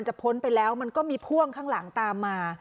พ้นไปแล้วมันก็มีพ่วงข้างหลังตามมา